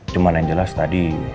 cuma yang jelas tadi